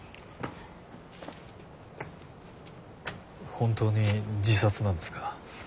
本当に自殺なんですか？